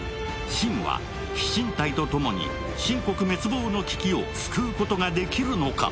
信は飛信隊とともに秦国滅亡の危機を救うことができるのか。